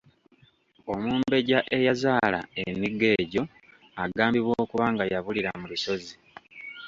Omumbejja eyazaala emigga egyo agambibwa okuba nga yabulira mu lusozi.